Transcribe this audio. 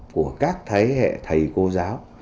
của các thế hệ thầy cô giáo